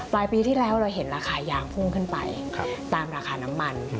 ปลายปีที่แล้วเราเห็นราคายางพุ่งขึ้นไปตามราคาน้ำมัน